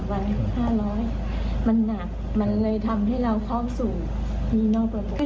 วัน๕๐๐มันหนักมันเลยทำให้เราเข้าสู่หนี้นอกระบบ